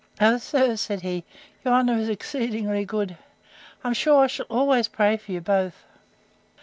O sir, said he, your honour is exceeding good! I'm sure I shall always pray for you both.